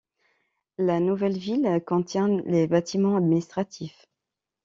La nouvelle ville contient les bâtiments administratifs.